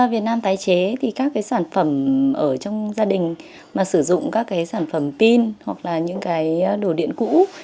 việt nam tái chế thì các cái sản phẩm ở trong gia đình mà sử dụng các cái sản phẩm pin hoặc là những cái đồ điện cũ